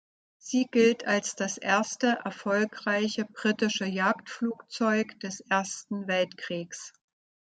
Sie gilt als das erste erfolgreiche britische Jagdflugzeug des Ersten Weltkriegs.